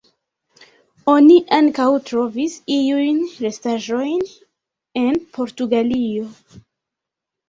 Oni ankaŭ trovis iujn restaĵojn en Portugalio.